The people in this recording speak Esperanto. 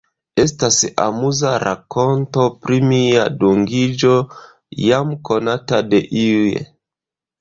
Estas amuza rakonto pri mia dungiĝo, jam konata de iuj.